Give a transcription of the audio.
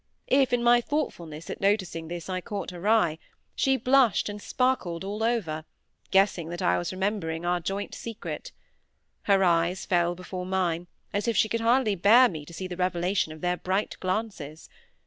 If in my thoughtfulness at noticing this I caught her eye, she blushed and sparkled all over, guessing that I was remembering our joint secret. Her eyes fell before mine, as if she could hardly bear me to see the revelation of their bright glances.